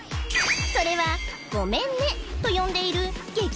それはゴメン寝と呼んでいる激